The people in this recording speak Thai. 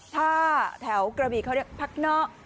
ถ้าแถวกระบีเขาเรียกพักนอก